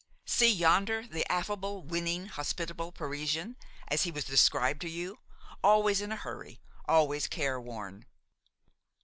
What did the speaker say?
See, yonder, the affable, winning, hospitable Parisian, as he was described to you, always in a hurry, always careworn!